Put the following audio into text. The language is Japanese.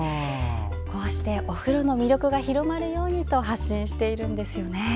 こうしてお風呂の魅力が広まるようにと発信しているんですよね。